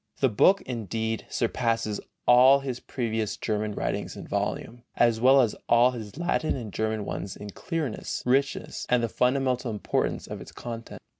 The book, indeed, surpasses all his previous German writings in volume, as well as all his Latin and German ones in clearness, richness and the fundamental importance of its content.